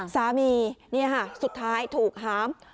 สามีนี่ค่ะสุดท้ายถูกหาม